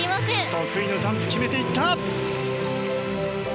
得意のジャンプ決めていった！